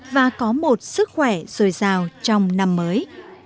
và có một sức khỏe dồi dào trong năm mới